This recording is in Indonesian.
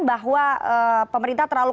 bahwa pemerintah terlalu